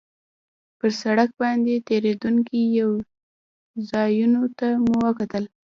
پر سړک باندې تېرېدونکو پوځیانو ته مو کتل.